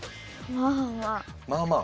まあまあ？